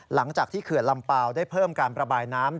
หลังจากที่เขือนลำเปล่าได้เพิ่มการระบายน้ำ